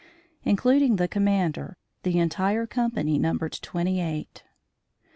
Including the commander, the entire company numbered twenty eight.